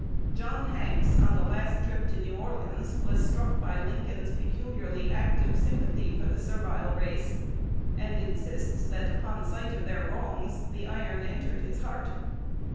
John Hanks, on the last trip to New Orleans, was struck by Lincoln's peculiarly active sympathy for the servile race, and insists, that, upon sight of their wrongs, "the iron entered his heart."